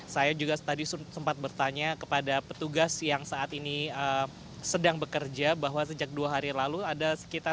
saya juga tadi sempat bertanya kepada petugas yang saat ini sedang bekerja bahwa sejak dua hari lalu ada sekitar